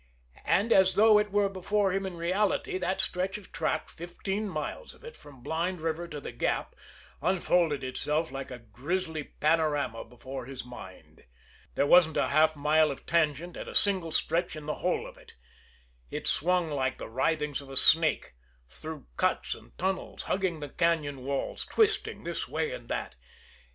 And as though it were before him in reality, that stretch of track, fifteen miles of it, from Blind River to the Gap, unfolded itself like a grisly panorama before his mind. There wasn't a half mile of tangent at a single stretch in the whole of it. It swung like the writhings of a snake, through cuts and tunnels, hugging the cañon walls, twisting this way and that.